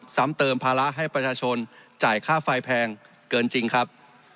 ซ้ำเติมภาระให้ประชาชนจ่ายค่าไฟแพงเกินจริงครับ